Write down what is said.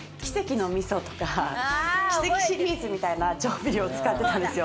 奇跡シリーズみたいな調味料を使ってたんですよ。